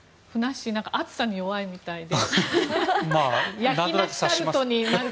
しー暑さに弱いみたいで。